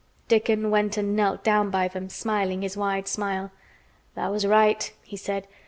Dickon went and knelt down by them, smiling his wide smile. "Tha' was right," he said.